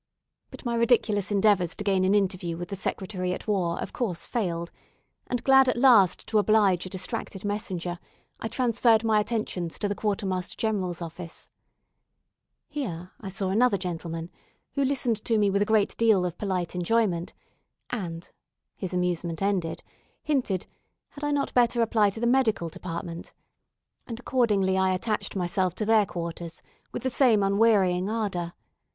But my ridiculous endeavours to gain an interview with the Secretary at War of course failed, and glad at last to oblige a distracted messenger, I transferred my attentions to the Quartermaster General's department. Here I saw another gentleman, who listened to me with a great deal of polite enjoyment, and his amusement ended hinted, had I not better apply to the Medical Department; and accordingly I attached myself to their quarters with the same unwearying ardour.